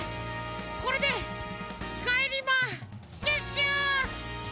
これでかえりまシュッシュ！